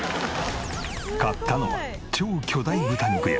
買ったのは超巨大豚肉や。